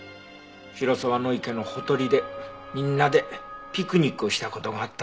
広沢池のほとりでみんなでピクニックをした事があったんだって。